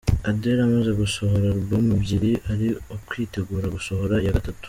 Adele amaze gusohora album ebyiri, ari kwitegura gusohora iya gatatu.